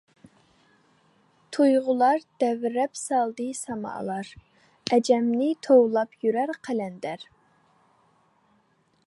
تۇيغۇلار دەۋرەپ سالدى سامالار، ئەجەمنى توۋلاپ يۈرەر قەلەندەر.